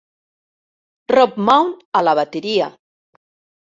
Rob Mount a la bateria.